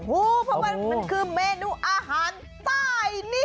โอ้โฮเพราะมันคือเมนูอาหารใต้นี้